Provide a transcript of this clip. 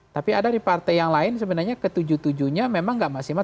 tapi ada di partai yang lain sebenarnya ketujuh tujuhnya memang tidak maksimal